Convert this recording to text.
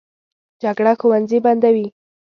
جګړه ښوونځي بندوي